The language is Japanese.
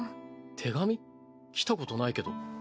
来たことないけど。